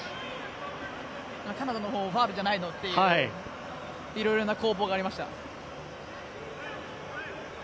カナダのほうファウルじゃないの？っていういろいろな攻防がありました。